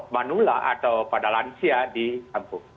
manula atau pada lansia di kampung